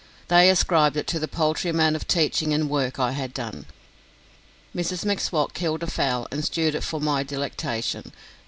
They ascribed it to the paltry amount of teaching and work I had done. Mrs M'Swat killed a fowl and stewed it for my delectation.